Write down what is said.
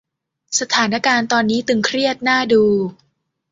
สถานการณ์ตอนนี้ตึงเครียดน่าดู